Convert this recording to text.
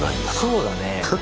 そうだね。